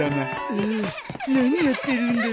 ああ何やってるんだろう。